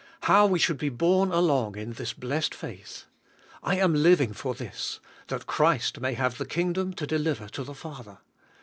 How we should be borne along in this blessed faith! lam living for this: that Christ may have the Kingdom to deliver to the Father.